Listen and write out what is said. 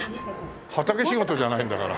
畑仕事じゃないんだから。